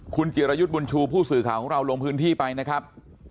คุณจิรยุทธ์บุญชูผู้สื่อข่าวของเราลงพื้นที่ไปนะครับ